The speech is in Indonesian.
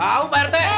mau pak rt